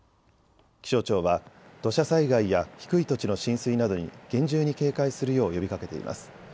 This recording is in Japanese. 気象庁は土砂災害や低い土地の浸水などに厳重に警戒するよう呼びかけています。